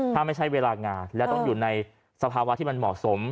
ถ้าไม่ใช่เวลางานและต้องอยู่ในสภาวะที่มันเหมาะสม